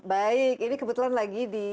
baik ini kebetulan lagi di